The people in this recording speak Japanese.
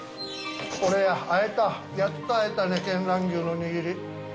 これや会えたやっと会えたね見蘭牛の握り。